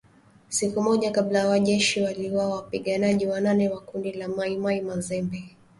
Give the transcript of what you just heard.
Siku moja kabla wanajeshi waliwaua wapiganaji wanane wa kundi la Mai Mai Mazembe